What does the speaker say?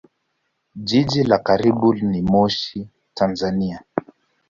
Jiji la karibu ni Moshi, Tanzania.